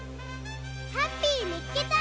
ハッピーみつけた！